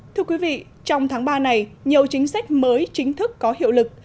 thưa quý vị trong tháng ba này nhiều chính sách mới chính thức có hiệu lực